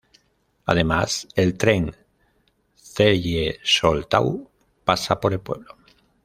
Además, el tren Celle–Soltau pasa por el pueblo.